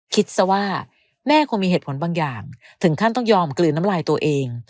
คิดซะว่าแม่คงมีเหตุผลบางอย่างถึงขั้นต้องยอมกลืนน้ำลายตัวเอง